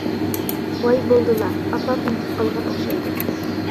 ۋاي بولدىلا، ئاپام ئۇنتۇپ قالغان ئوخشايدۇ.